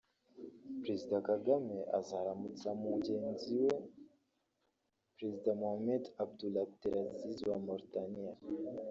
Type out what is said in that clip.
Perezida Kagame azaramutsa mugenzi we Perezida Mohamed Ould Abdel Aziz wa Mauritania